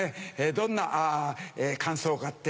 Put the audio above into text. どんな感想かって？